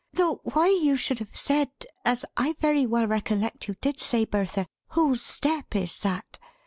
Though why you should have said, as I very well recollect you did say, Bertha, 'whose step is that!'